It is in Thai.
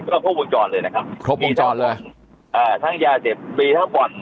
ก็ครบวงจรเลยนะครับครบวงจรเลยอ่าทั้งยาเสพมีทั้งบ่อน